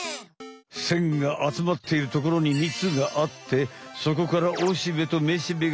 線があつまっているところにみつがあってそこからおしべとめしべがはえているべ。